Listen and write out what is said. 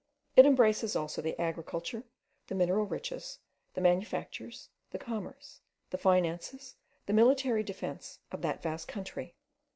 It embraces also the agriculture, the mineral riches, the manufactures, the commerce, the finances, and the military defence of that vast country.